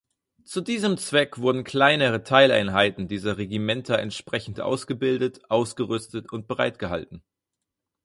Zu diesem Zweck wurden kleinere Teileinheiten dieser Regimenter entsprechend ausgebildet, ausgerüstet und bereitgehalten.